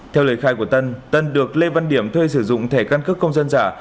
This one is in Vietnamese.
theo lời khai của tân tân được lê văn điểm thuê sử dụng thẻ căn cước công dân giả